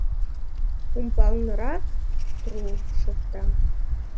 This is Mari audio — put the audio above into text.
Умбалнырак тпру! шокта.